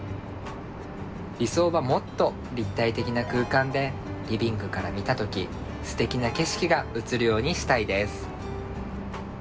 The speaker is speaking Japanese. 理想はもっと立体的な空間でリビングから見た時すてきな景色が映るようにしたいです。